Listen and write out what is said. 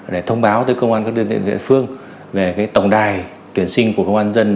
để thông báo tới công an các địa phương về cái tổng đài tuyển sinh của công an nhân